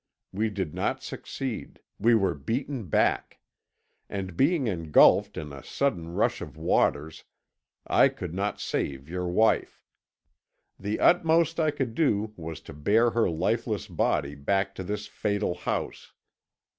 We did not succeed we were beaten back; and being engulfed in a sudden rush of waters, I could not save your wife. The utmost I could do was to bear her lifeless body back to this fatal house.